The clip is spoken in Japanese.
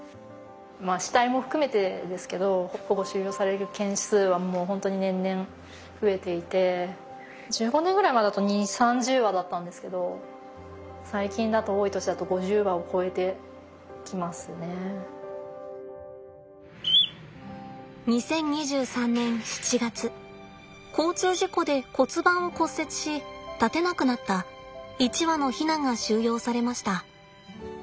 死体も含めてですけど保護収容される件数はもう本当に年々増えていて２０２３年７月交通事故で骨盤を骨折し立てなくなった一羽のヒナが収容されました。